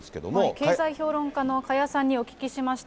経済評論家の加谷さんにお聞きしました。